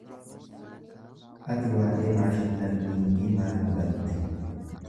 Ati waa'ee 'Machine Learning' maal hubatte?